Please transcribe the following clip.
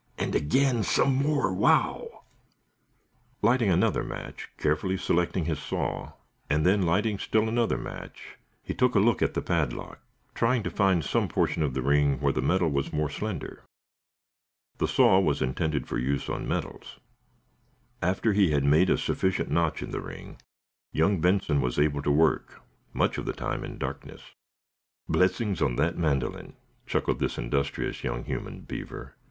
"And again some more wow!" Lighting another match, carefully selecting his saw, and then lighting still another match, he took a look at the padlock, trying to find some portion of the ring where the metal was more slender. The saw was intended for use on metals. After he had made a sufficient notch in the ring, young Benson was able to work, much of the time, in darkness. "Blessings on that mandolin," chuckled this industrious young human beaver.